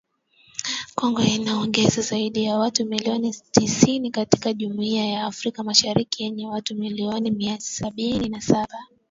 Kongo inaongeza zaidi ya watu milioni tisini katika Jumuiya ya Afrika Mashariki yenye watu milioni mia sabini na saba.